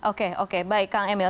oke oke baik kang emil